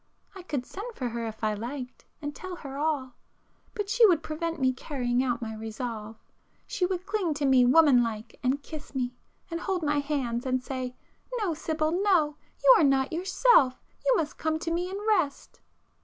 —I could send for her if I liked, and tell her all,—but she would prevent me carrying out my resolve. She would cling to me woman like and kiss me, and hold my hands and say 'No, Sibyl, no! You are not yourself,—you must come to me and rest!